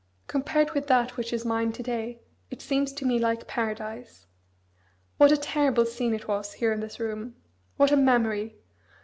Compared with that which is mine to day, it seems to me like paradise. What a terrible scene it was, here in this room! What a memory!